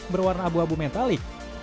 berwarna abu abu metalik